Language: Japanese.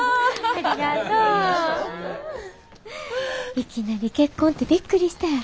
いきなり結婚ってびっくりしたやろ？